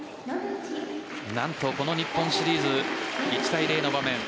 何と、この日本シリーズ１対０の場面。